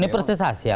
di universitas ya